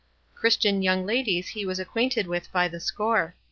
Christian }'oung ladies he was ac quainted with by the score.